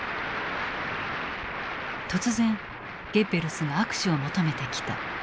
突然ゲッベルスが握手を求めてきた。